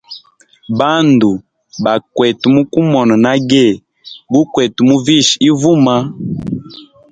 Bandu, bakwete mukumona nage gukwete muvisha ivuma.